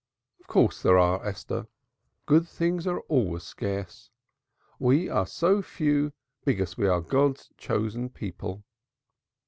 "Of course there are, Esther. Good things are scarce. We are so few because we are God's chosen people."